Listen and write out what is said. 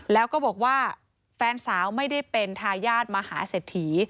แล้วก็บอกว่าแฟนสาวไม่ได้เป็นทายาทมหาเศรษฐี